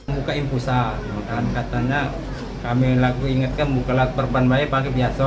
buka infusa dan katanya kami ingatkan buka perban baik pakai biaso